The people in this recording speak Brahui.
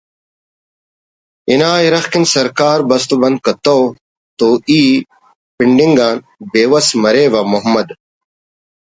انا اِرغ کن سرکار بست و بند کتو تو ای پنڈنگ آ بیوس مریوہ محمد